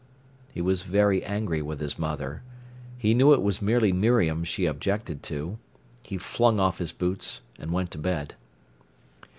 He was very angry with his mother. He knew it was merely Miriam she objected to. He flung off his boots and went to bed.